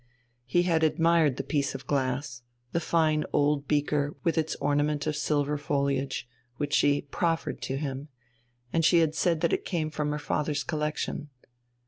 He had admired the piece of glass, the fine old beaker with its ornament of silver foliage, which she proffered to him, and she had said that it came from her father's collection.